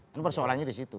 dan persoalannya di situ